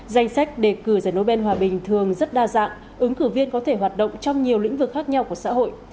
danh sách đề cử giải nobel hòa bình thường rất đa dạng ứng cử viên có thể hoạt động trong nhiều lĩnh vực khác nhau của xã hội